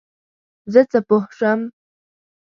زه څه پوه شم ؟